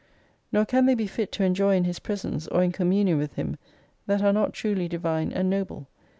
Nor can they be fit to enjoy in His presence, or in communion with Him, that are not truly Divine and Noble.